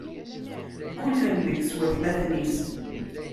Ggullen deg-s watmaten-is.